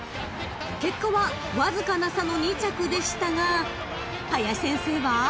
［結果はわずかな差の２着でしたが林先生は］